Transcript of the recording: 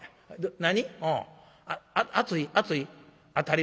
何？